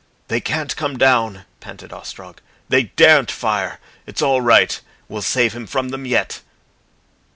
"They can't come down," panted Ostrog. "They daren't fire. It's all right. We'll save him from them yet."